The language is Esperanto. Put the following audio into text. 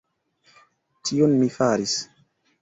Tion mi faris!